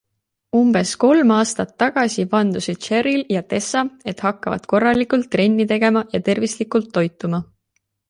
Umbes kolm aastat tagasi vandusid Cheryl ja Tessa, et hakkavad korralikult trenni tegema ja tervislikult toituma.